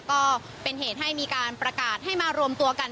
ก็เป็นเหตุให้มีการประกาศให้มารวมตัวกัน